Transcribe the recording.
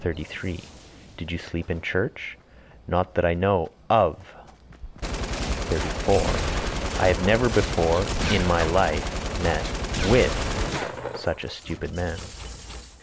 Did you sleep in church? Not that I know (of). 34. I never before (in my life) met (with) such a stupid man.